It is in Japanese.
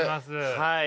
はい。